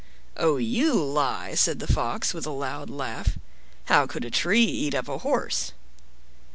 "Oh, you lie," said the Fox, with a loud laugh; "how could a tree eat up a horse?"